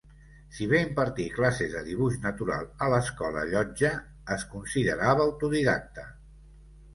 Si bé impartí classes de dibuix natural a l'Escola Llotja, es considerava autodidacta.